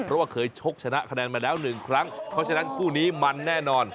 เพราะว่าเคยชกชนะคะแนนมาแล้วหนึ่งครั้งเพราะฉะนั้นคู่นี้มันแน่นอน